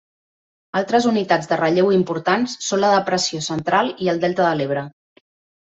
Altres unitats de relleu importants són la Depressió Central i el Delta de l'Ebre.